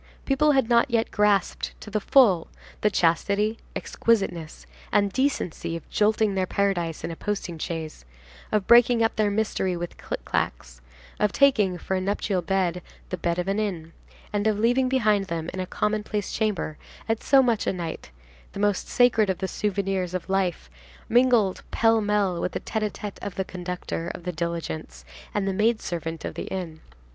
People had not yet grasped to the full the chastity, exquisiteness, and decency of jolting their paradise in a posting chaise, of breaking up their mystery with clic clacs, of taking for a nuptial bed the bed of an inn, and of leaving behind them, in a commonplace chamber, at so much a night, the most sacred of the souvenirs of life mingled pell mell with the tête à tête of the conductor of the diligence and the maid servant of the inn.